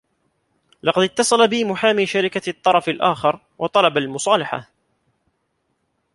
لقد اتّصل بي محامي شركة الطّرف الآخر و طلب المصالحة.